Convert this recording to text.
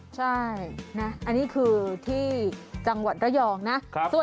ใช่นะอันนี้คือที่จังหวัดระยองนะ